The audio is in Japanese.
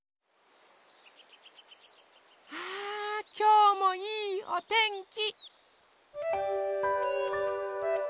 あきょうもいいおてんき。